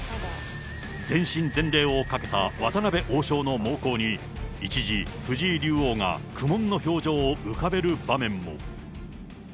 全身全霊をかけた渡辺王将の猛攻に、一時、藤井竜王が苦悶の表情を浮かべる場面も。